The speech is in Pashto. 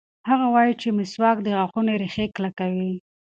هغه وایي چې مسواک د غاښونو ریښې کلکوي.